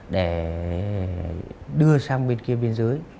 để đưa sang bên kia biên giới